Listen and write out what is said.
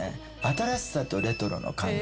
「新しさ」と「レトロ」の感覚。